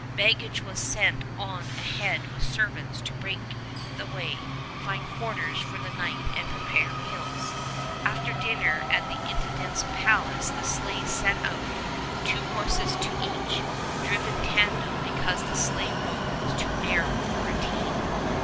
Baggage was sent on ahead with servants to break the way, find quarters for the night, and prepare meals. After a dinner at the Intendant's palace the sleighs set out, two horses to each, driven tandem because the sleigh road was too narrow for a team.